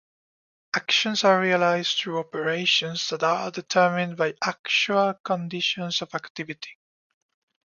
Actions are realised through operations that are determined by the actual conditions of activity.